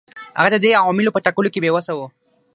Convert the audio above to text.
هغه د دې عواملو په ټاکلو کې بې وسه و.